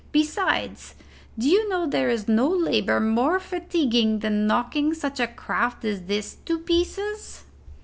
Besides, do you know there is no labour more fatiguing than knocking such a craft as this to pieces?"